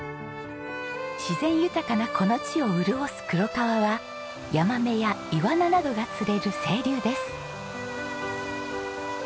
自然豊かなこの地を潤す黒川はヤマメやイワナなどが釣れる清流です。